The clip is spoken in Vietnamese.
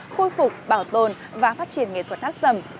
khôi phục bảo tồn và phát triển nghệ thuật hát sầm